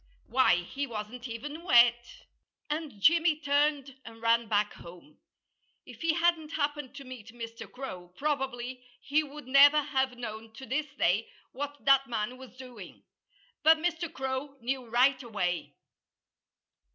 Why, he wasn't even wet! And Jimmy turned and ran back home. If he hadn't happened to meet Mr. Crow, probably he would never have known to this day what that man was doing. But Mr. Crow knew right away.